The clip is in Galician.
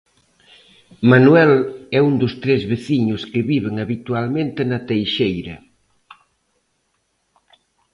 Manuel é un dos tres veciños que viven habitualmente na Teixeira.